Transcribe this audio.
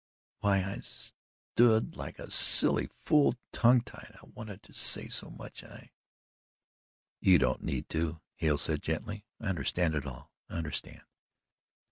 "Why, I stood like a silly fool, tongue tied, and I wanted to say so much. I " "You don't need to," Hale said gently, "I understand it all. I understand."